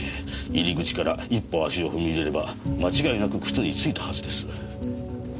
入り口から一歩足を踏み入れれば間違いなく靴に付いたはずです。